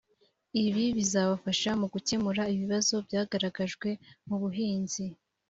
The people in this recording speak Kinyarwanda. ibi bizafasha mu gukemura ibibazo byagaragajwe mu buhinzi